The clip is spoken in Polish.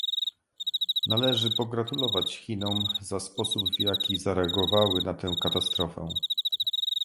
Należy pogratulować Chinom za sposób, w jaki zareagowały na tę katastrofę